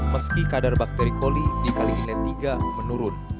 meski kadar bakteri koli di kali inlet tiga menurun